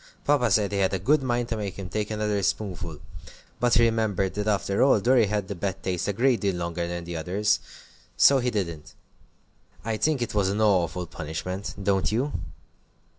Papa said he had a good mind to make him take another spoonful, but he remembered that after all Dorry had the bad taste a great deal longer than the others, so he didn't. I think it was an awful punishment, don't you?"